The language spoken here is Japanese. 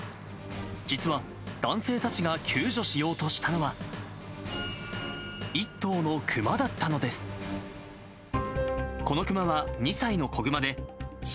実は、男性たちが救助しようとしたのは、１頭の熊だったのです。